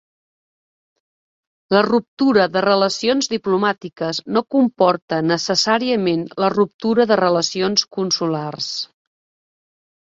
La ruptura de relacions diplomàtiques no comporta necessàriament la ruptura de relacions consulars.